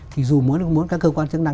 thì dù muốn các cơ quan chức năng